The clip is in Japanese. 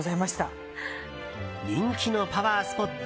人気のパワースポット